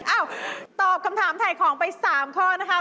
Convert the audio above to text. เอ้าตอบคำถามถ่ายของไป๓ข้อนะคะ